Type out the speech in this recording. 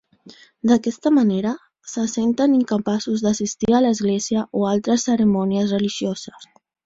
D'aquesta manera, se senten incapaços d'assistir a l'església o a altres cerimònies religioses.